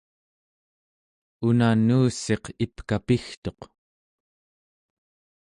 una nuussiq ipkapigtuq